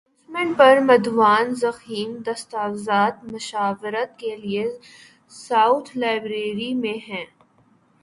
investment پر مدون ضخیم دستاویزات مشاورت کے لیے ساؤتھ لیبارٹری میں ہیں